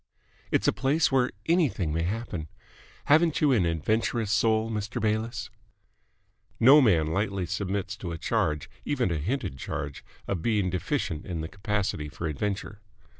It's a place where anything may happen. Haven't you an adventurous soul, Mr. Bayliss?" No man lightly submits to a charge, even a hinted charge, of being deficient in the capacity for adventure.